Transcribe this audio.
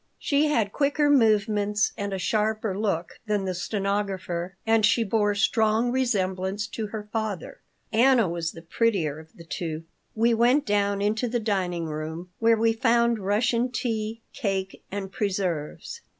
She had quicker movements and a sharper look than the stenographer and she bore strong resemblance to her father. Anna was the prettier of the two. We went down into the dining room, where we found Russian tea, cake, and preserves.